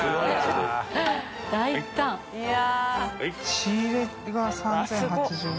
仕入れ値が３０８０円。